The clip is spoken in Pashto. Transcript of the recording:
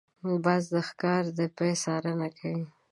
باز د ښکار د پای څارنه کوي